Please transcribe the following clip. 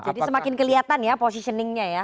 jadi semakin kelihatan ya positioningnya ya